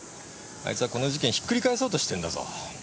あいつはこの事件ひっくり返そうとしてんだぞ。